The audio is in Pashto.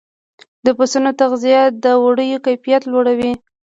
د پسونو تغذیه د وړیو کیفیت لوړوي.